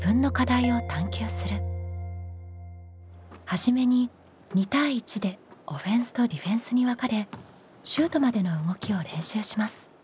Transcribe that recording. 初めに２対１でオフェンスとディフェンスに分かれシュートまでの動きを練習します。